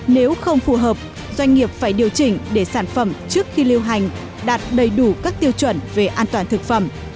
nếu không phù hợp doanh nghiệp phải điều chỉnh để sản phẩm trước khi lưu hành đạt đầy đủ các tiêu chuẩn về an toàn thực phẩm